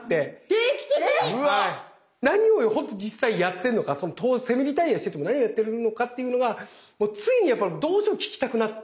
定期的に⁉何をほんと実際やってんのかセミリタイアしてても何をやってるのかっていうのがついにどうしても聞きたくなって。